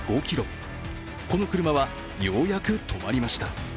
この車は、ようやく止まりました。